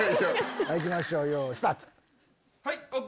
行きましょうよいスタート！